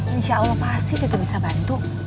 insya allah pasti kita bisa bantu